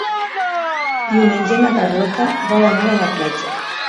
Diumenge na Carlota vol anar a la platja.